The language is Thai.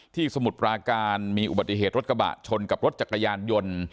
สมุทรปราการมีอุบัติเหตุรถกระบะชนกับรถจักรยานยนต์